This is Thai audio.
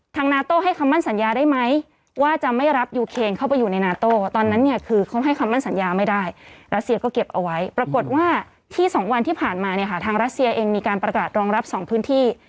นาโต้ให้คำมั่นสัญญาได้ไหมว่าจะไม่รับยูเคนเข้าไปอยู่ในนาโต้ตอนนั้นเนี่ยคือเขาให้คำมั่นสัญญาไม่ได้รัสเซียก็เก็บเอาไว้ปรากฏว่าที่สองวันที่ผ่านมาเนี่ยค่ะทางรัสเซียเองมีการประกาศรองรับสองพื้นที่